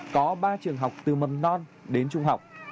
có ba trường học từ mầm non đến trung học